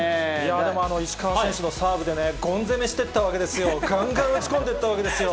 でも、石川選手のサーブでね、ゴン攻めしていったわけですよ、がんがん打ち込んでいったわけですよ。